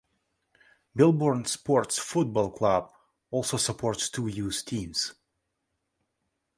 Milborne Sports Football Club also supports two youth teams.